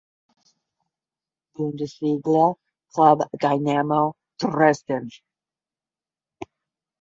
Bundesliga club Dynamo Dresden.